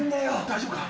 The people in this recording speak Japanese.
大丈夫か。